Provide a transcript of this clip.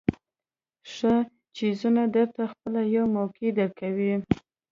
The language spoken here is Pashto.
ښه څیزونه درته خپله یوه موقع درکوي.